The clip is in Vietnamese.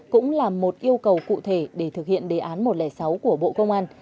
cũng là một yêu cầu cụ thể để thực hiện đề án một trăm linh sáu của bộ công an